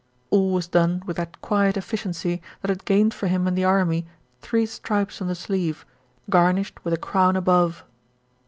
All was done with that quiet efficiency that had gained for him in the army three stripes on the sleeve, garnished with a crown above.